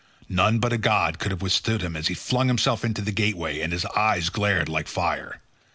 None but a god could have withstood him as he flung himself into the gateway, and his eyes glared like fire.